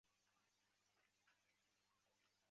进火仪式又称刈火是进香活动最重要的仪式。